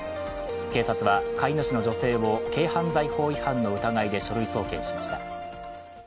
警察は飼い主の女性を軽犯罪法違反の疑いで書類送検しました。